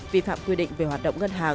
vi phạm quy định về hội đồng